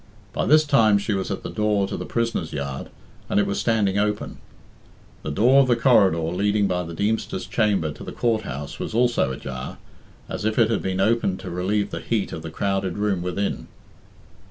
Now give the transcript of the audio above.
By this time she was at the door to the prisoners' yard, and it was standing open. The door of the corridor leading by the Deemster's chamber to the Court house was also ajar, as if it had been opened to relieve the heat of the crowded room within.